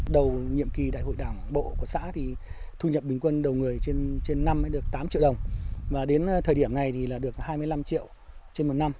đầu nhiệm kỳ đại hội đảng bộ của xã thì thu nhập bình quân đầu người trên năm được tám triệu đồng và đến thời điểm này thì được hai mươi năm triệu